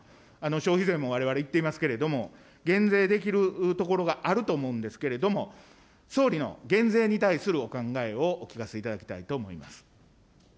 消費税もわれわれいっていますけれども、減税できるところがあると思うんですけれども、総理の減税に対するお考えをお聞かせいただきたいと思います。